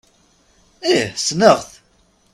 Ih sneɣ-tt.